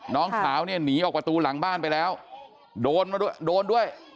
น้องสาวนี่หนีออกประตูหลังบ้านไปแล้วโดนด้วย